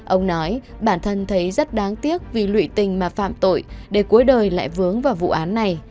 ông nói bản thân thấy rất đáng tiếc vì lụy tình mà phạm tội để cuối đời lại vướng vào vụ án này